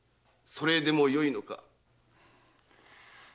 それでもよいのか？